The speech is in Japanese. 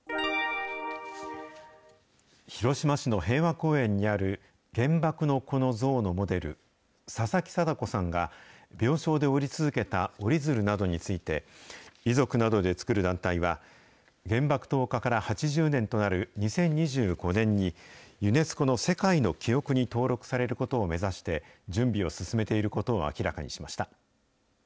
広島市の平和公園にある原爆の子の像のモデル、佐々木禎子さんが、病床で折り続けた折り鶴などについて、遺族などで作る団体は、原爆投下から８０年となる２０２５年に、ユネスコの世界の記憶に登録されることを目指して、準備を進めていることを明らかにしました。